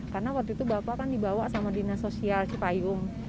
karena waktu itu bapak kan dibawa sama dinas sosial cipayum